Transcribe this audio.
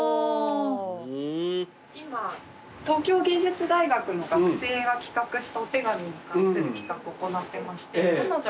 今東京藝術大学の学生が企画したお手紙に関する企画行ってまして彼女が企画した。